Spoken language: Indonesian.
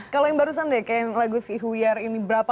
kalau yang barusan deh kayak lagu si who we are ini berapa